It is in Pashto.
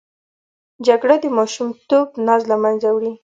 جګړه د ماشومتوب ناز له منځه وړي